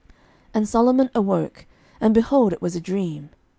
11:003:015 And Solomon awoke; and, behold, it was a dream.